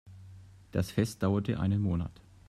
Das Fest dauerte einen Monat.